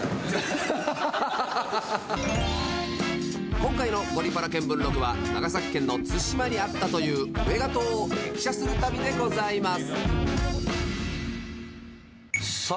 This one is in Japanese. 今回の「ゴリパラ見聞録」は長崎県の対馬にあったというオメガ塔を激写する旅でございます。